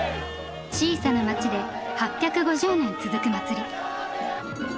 小さな町で８５０年続く祭り。